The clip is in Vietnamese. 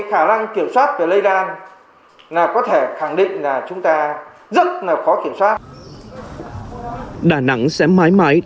khả năng kiểm soát về lây lan là có thể khẳng định là chúng ta rất là khó kiểm soát đà nẵng sẽ mãi mãi